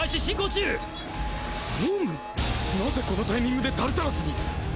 何故このタイミングでタルタロスに！？